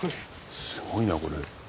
すごいなこれ。